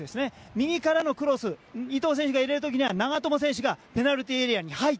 右からのクロス伊東選手が入れる時には長友選手がペナルティーエリアに入る。